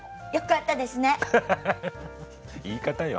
言い方よ。